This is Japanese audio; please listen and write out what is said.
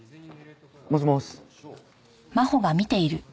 もしもーし？